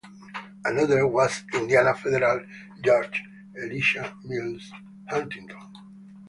Another was Indiana federal judge Elisha Mills Huntington.